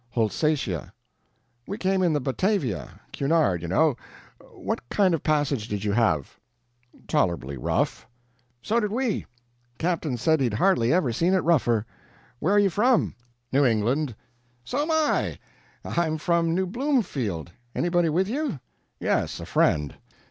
"HOLSATIA." "We came in the BATAVIA Cunard, you know. What kind of passage did you have?" "Tolerably rough." "So did we. Captain said he'd hardly ever seen it rougher. Where are you from?" "New England." "So'm I. I'm from New Bloomfield. Anybody with you?" "Yes a friend."